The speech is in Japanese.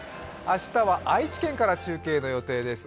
明日は愛知県から中継の予定です。